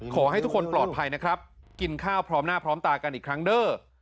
ขอให้ทุกคนปลอดภัยนะครับกินข้าวพร้อมหน้าพร้อมตากันอีกครั้งเด้อ